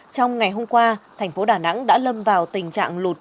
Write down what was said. trong ngày hôm qua thành phố đà nẵng đã lâm vào tình trạng lụt